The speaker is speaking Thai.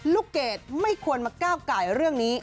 เกรดไม่ควรมาก้าวไก่เรื่องนี้